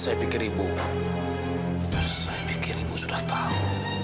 saya pikir ibu saya pikir ibu sudah tahu